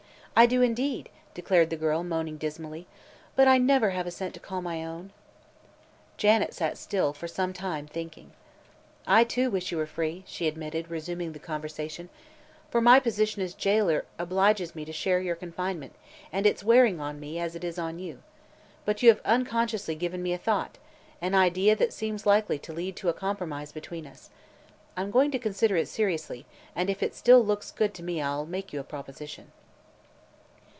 "I do, indeed," declared the girl, moaning dismally; "but I never have a cent to call my own." Janet sat still, for some time, thinking. "I, too, wish you were free," she admitted, resuming the conversation, "for my position as jailer obliges me to share your confinement, and it's wearing on me, as it is on you. But you have unconsciously given me a thought an idea that seems likely to lead to a compromise between us. I'm going to consider it seriously, and if it still looks good to me I'll make you a proposition."